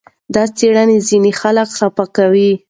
دا څېړنې ځینې خلک خپه کوي.